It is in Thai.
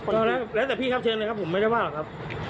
เอาแล้วแต่พี่ครับเชิญเลยครับผมไม่ได้ว่าหรอกครับ